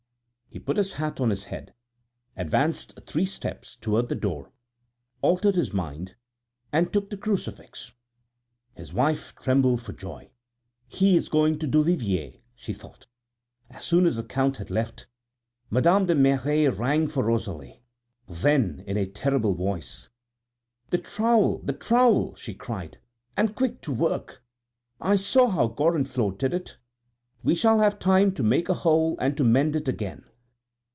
He put his hat on his head, advanced three steps toward the door, altered his mind and took the crucifix. His wife trembled for joy. "He is going to Duvivier," she thought. As soon as the Count had left, Madame de Merret rang for Rosalie; then in a terrible voice: "The trowel, the trowel!" she cried, "and quick to work! I saw how Gorenflot did it; we shall have time to make a hole and to mend it again."